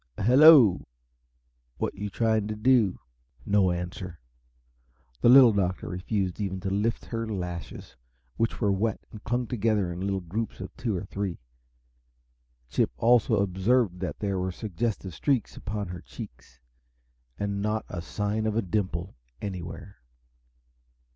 "Hello! What you trying to do?" No answer. The Little Doctor refused even to lift her lashes, which were wet and clung together in little groups of two or three. Chip also observed that there were suggestive streaks upon her cheeks and not a sign of a dimple anywhere.